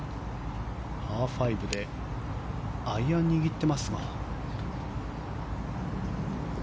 パー５でアイアンを握っていますが。